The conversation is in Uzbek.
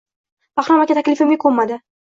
Bahrom aka taklifimga ko`nmadi